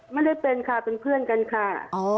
ไม่ได้เป็นค่ะเป็นเพื่อนกันค่ะ